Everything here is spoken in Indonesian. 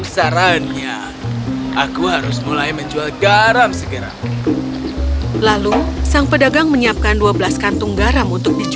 sehingga dia mengambil enam kantung garam